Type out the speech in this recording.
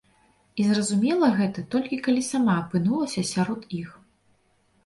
І зразумела гэта, толькі калі сама апынулася сярод іх.